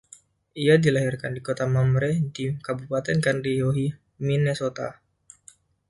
Ia dilahirkan di Kota Mamre di Kabupaten Kandiyohi, Minnesota.